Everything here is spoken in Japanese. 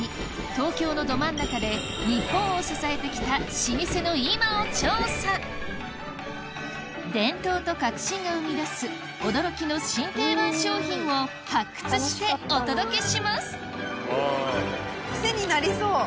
東京のど真ん中でニッポンを支えてきた老舗の今を調査伝統と革新が生み出す驚きの新定番商品を発掘してお届けします